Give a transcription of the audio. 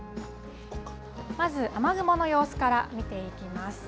まず、雨雲の様子から見ていきます。